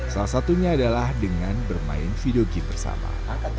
salah satunya adalah dengan bermain video game bersama